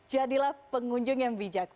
jadilah pengunjung yang bijak